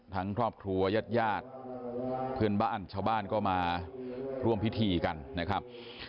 ครอบครัวยาดเพื่อนบ้านชาวบ้านก็มาร่วมพิธีกันนะครับ